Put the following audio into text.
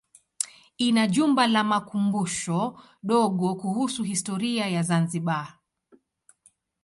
Ina jumba la makumbusho dogo kuhusu historia ya Zanzibar.